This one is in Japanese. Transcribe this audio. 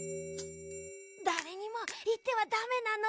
だれにもいってはダメなのだ。